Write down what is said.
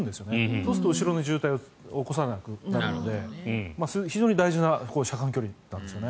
そうすると後ろの渋滞を起こさなくなるので非常に大事な車間距離なんですね。